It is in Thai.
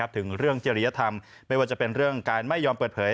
ถึงเรื่องเจริยธรรมไม่ว่าจะเป็นเรื่องการไม่ยอมเปิดเผย